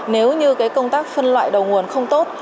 nếu như công tác phân loại đầu nguồn không tốt